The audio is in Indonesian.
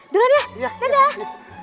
duluan ya dadah